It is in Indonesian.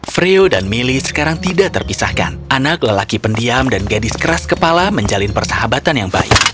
freo dan milly sekarang tidak terpisahkan anak lelaki pendiam dan gadis keras kepala menjalin persahabatan yang baik